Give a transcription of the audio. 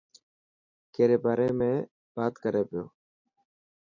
ڪيري باري ۾ بات ڪري پيو.